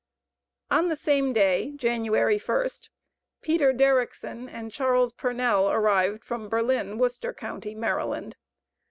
On the same day (January 1st), PETER DERRICKSON and CHARLES PURNELL arrived from Berlin, Worcester county, Maryland.